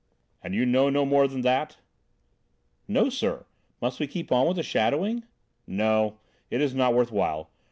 "And you know no more than that?" "No, sir. Must we go on with the shadowing?" "No, it is not worth while.